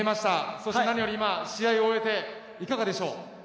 そして何より今、試合を終えていかがでしょう。